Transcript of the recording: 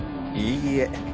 いいえ